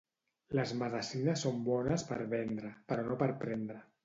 Les medecines són bones per vendre, però no per prendre.